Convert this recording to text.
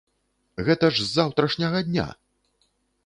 Гэта ж з заўтрашняга дня!